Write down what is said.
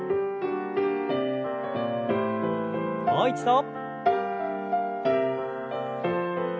もう一度。